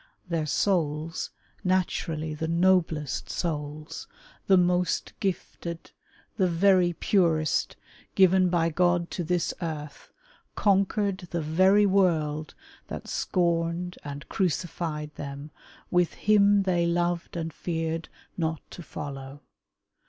Their souls, naturally, the noblest souls, the most gitted, the very purest, given by God to this earth, conquered the very world that scorned and crucified them, with Him they loved and feared not to follow.